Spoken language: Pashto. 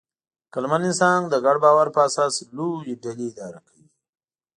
عقلمن انسان د ګډ باور په اساس لویې ډلې اداره کوي.